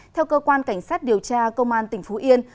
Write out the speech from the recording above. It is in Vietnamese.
theo cơ quan cảnh sát điều tra công an tỉnh phú yên